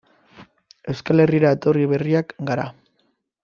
Euskal Herrira etorri berriak gara.